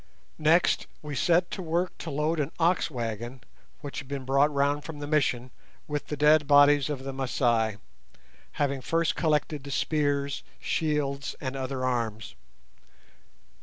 Next we set to work to load an ox wagon which had been brought round from the Mission with the dead bodies of the Masai, having first collected the spears, shields, and other arms.